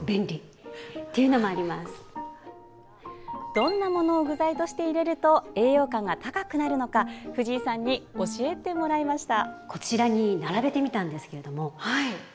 どんなものを具材として入れると栄養価が高くなるのか藤井さんに教えてもらいました。